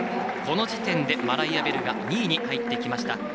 この時点でマライア・ベルが２位に入ってきました。